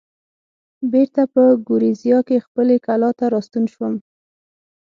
بېرته په ګوریزیا کې خپلې کلا ته راستون شوم.